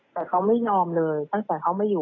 แต่เขาไม่ยอมเลยตั้งแต่เขามาอยู่